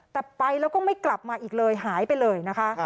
แต่ไปแล้วก็ไม่กลับมาอีกเลยหายไปเลยนะคะ